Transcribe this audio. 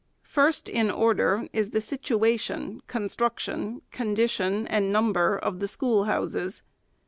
First in order is the situation, con struction, condition, and number of the school houses.